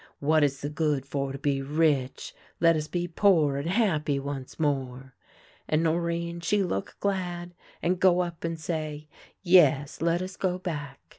What is the good for to be rich ? Let us be poor and happy once more.' " And Norinne she look glad, and go up and say :' Yes, let us go back.'